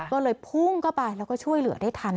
ก็เลยพุ่งเข้าไปแล้วก็ช่วยเหลือได้ทัน